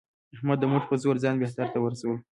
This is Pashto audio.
احمد د مټو په زور ځان بهر ته ورسولو.